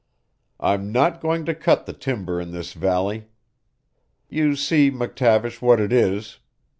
"I'm not going to cut the timber in this valley. You see, McTavish, what it is.